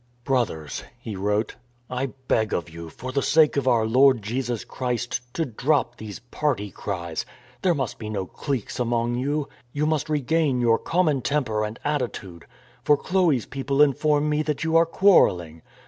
" Brothers," he wrote, " I beg of you, for the sake of our Lord Jesus Christ, to drop these party cries. There must be no cliques among you; you must regain your common temper and attitude. For Chlce's people inform me that you are quarrelling.